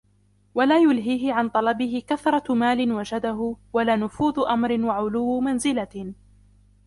وَلَا يُلْهِيهِ عَنْ طَلَبِهِ كَثْرَةُ مَالٍ وَجَدَهُ وَلَا نُفُوذُ أَمْرٍ وَعُلُوُّ مَنْزِلَةٍ